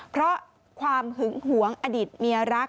เพราะความหึงหวงอดีตเมียรัก